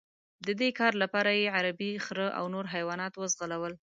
د دې کار لپاره یې عربي خره او نور حیوانات وځغلول.